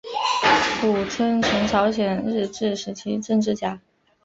朴春琴朝鲜日治时期政治家。